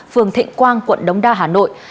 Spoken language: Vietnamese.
phường thịnh quang quận đông đa hà nội